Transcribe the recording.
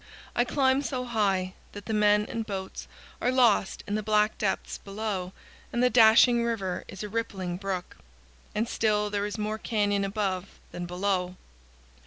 I climb so high that the men and boats are lost in the black depths below and the dashing river is a rippling brook, and still there is more canyon above than below.